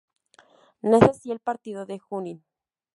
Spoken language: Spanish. Nace así el partido de Junín.